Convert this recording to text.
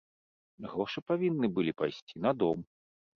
Грошы павінны былі пайсці на дом.